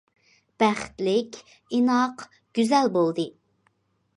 بەختلىك، ئىناق، گۈزەل بولدى.